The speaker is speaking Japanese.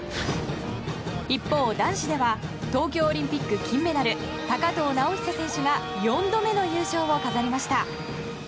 一方、男子では東京オリンピック金メダル高藤直寿選手が４度目の優勝を飾りました。